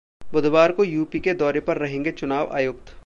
बुधवार को यूपी के दौरे पर रहेंगे चुनाव आयुक्त